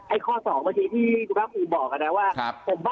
ไอ้ข้อสองเมื่อทีที่ทุกครับคุณบอกกันนะว่า